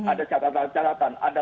ada catatan catatan ada